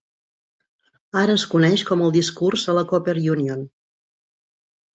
Ara es coneix com el Discurs a la Cooper Union.